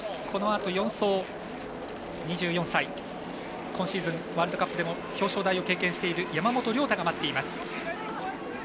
このあと４走２４歳、今シーズンワールドカップでも表彰台を経験している山本涼太が待っています。